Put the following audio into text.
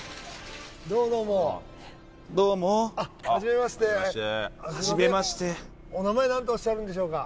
どうもどうもどうもはじめましてはじめましてお名前何とおっしゃるんでしょうか？